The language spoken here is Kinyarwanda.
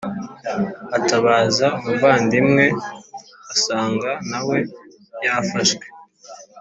atabaza umuvandimwe asanga nawe yafashwe